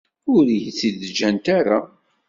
Ur iyi-tt-id-ǧǧant ara.